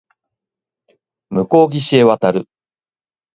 向こう岸へ渡る